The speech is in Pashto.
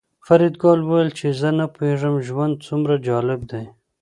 فریدګل وویل چې زه نه پوهېږم ژوند څومره جالب دی